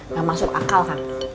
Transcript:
gak masuk akal kang